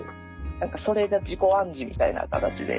何かそれが自己暗示みたいな形で。